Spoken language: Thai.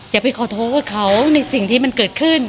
อย่าไปขอโทษเขาในสิ่งที่มันเกิดขึ้น